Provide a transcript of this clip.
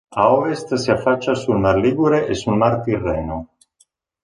A ovest si affaccia sul Mar Ligure e sul Mar Tirreno.